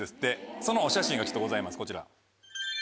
そのお写真がございますこちら。